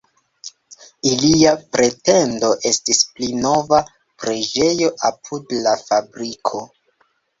Ilia pretendo estis pli nova preĝejo apud la fabriko.